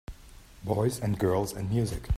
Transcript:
Boys and girls and music.